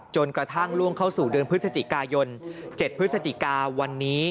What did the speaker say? จนกระทั่งล่วงเข้าสู่เดือนพฤศจิกายน๗พฤศจิกาวันนี้